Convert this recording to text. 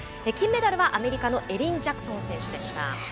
金メダルはアメリカのエリン・ジャクソン選手でした。